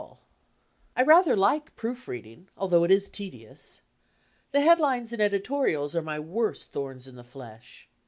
IJ „,. .,Google I rather like proof reading, although it is tedious. The head lines and editorials are my worst thorns in the flesh.